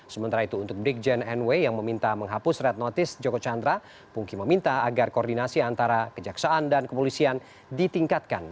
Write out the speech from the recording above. sementara itu untuk brigjen nw yang meminta menghapus red notice joko chandra pungki meminta agar koordinasi antara kejaksaan dan kepolisian ditingkatkan